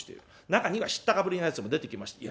中には知ったかぶりなやつも出てきまして。